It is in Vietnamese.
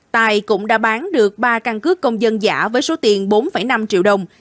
tài cũng đã bán được ba căn cước công dân giả với số tiền bốn năm triệu đồng